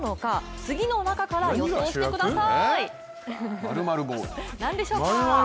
次の中から予想してください。